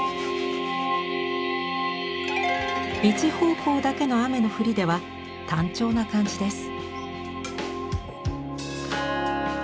一方向だけの雨の降りでは単調な感じです。